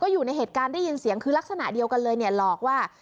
อยู่ในเหตุการณ์ได้ยินเสียงคือลักษณะเดียวกันเลยเนี่ยหลอกว่า